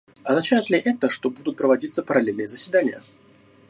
Означает ли это, что будут проводиться параллельные заседания?